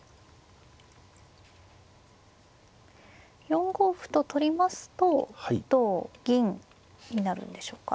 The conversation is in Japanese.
４五歩と取りますと同銀になるんでしょうか。